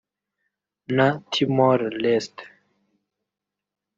na Timor Leste